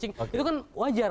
itu kan wajar